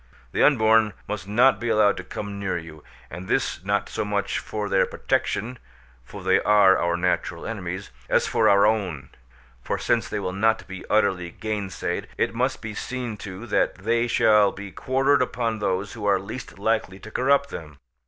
The unborn must not be allowed to come near you: and this not so much for their protection (for they are our natural enemies), as for our own; for since they will not be utterly gainsaid, it must be seen to that they shall be quartered upon those who are least likely to corrupt them.